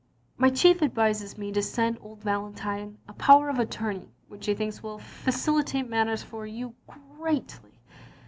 My chief advises me to send old Valentine a power of attorney which he thinks will facilitate matters for you greatly.